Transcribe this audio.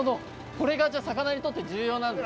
これが魚にとって重要なんですね。